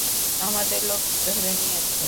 আমাদের লোককে ধরে নিয়েছে।